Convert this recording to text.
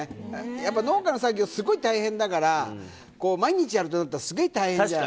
やっぱ農家の作業、すっごい大変だから、毎日やるとなったらすごい大変じゃん。